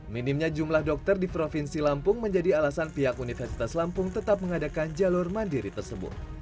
minimnya jumlah dokter di provinsi lampung menjadi alasan pihak universitas lampung tetap mengadakan jalur mandiri tersebut